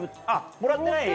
もらってない？